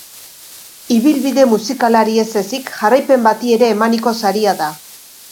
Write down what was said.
Ibilbide musikalari ez ezik, jarraipen bati ere emaniko saria da.